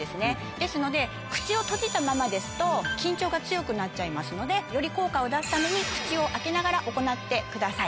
ですので口を閉じたままですと緊張が強くなっちゃいますのでより効果を出すために口を開けながら行ってください。